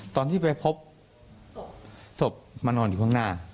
ตอนที่ไปพบศพมานอนอยู่ข้างหน้า